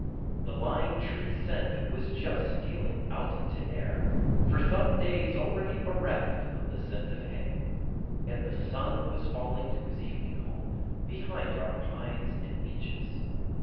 The lime tree scent was just stealing out into air for some days already bereft of the scent of hay; and the sun was falling to his evening home behind our pines and beeches.